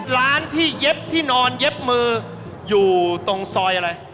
ร้านที่เย็บที่นอนเย็บมืออยู่ตรงซอยอะไร